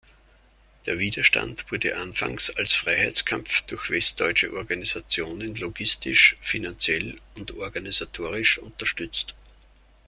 Der Widerstand wurde anfangs als Freiheitskampf durch westdeutsche Organisationen logistisch, finanziell und organisatorisch unterstützt.